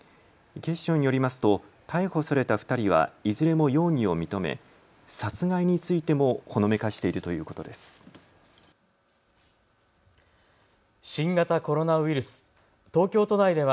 警視庁によりますと逮捕された２人はいずれも容疑を認め殺害についてもほのめかしているということです。